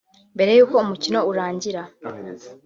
Mbere y’uko umukino urangira